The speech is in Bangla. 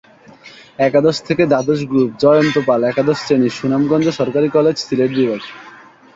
একাদশ থেকে দ্বাদশ গ্রুপ: জয়ন্ত পাল, একাদশ শ্রেণি, সুনামগঞ্জ সরকারি কলেজ; সিলেট বিভাগ।